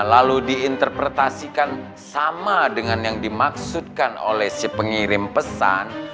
lalu diinterpretasikan sama dengan yang dimaksudkan oleh si pengirim pesan